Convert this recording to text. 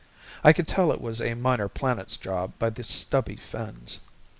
I could tell it was a Minor Planets job by the stubby fins.